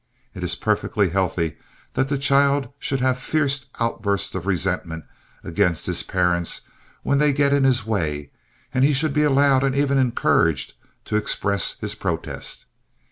It is perfectly healthy that the child should have fierce outbursts of resentment against his parents when they get in his way, and he should be allowed, and even encouraged, to express his protest.